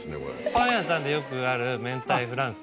パン屋さんでよくあるめんたいフランス。